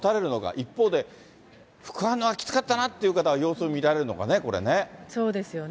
一方で、副反応がきつかったなという方は様子を見られるのかね、そうですよね。